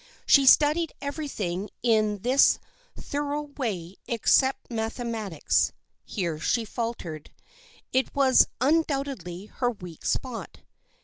She studied everything in this thorough way ex cept mathematics. Here she faltered. It was un doubtedly her weak spot.